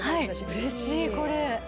うれしいこれ。